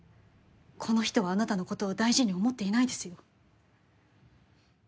この人はあなたのことを大事に思っていないですよ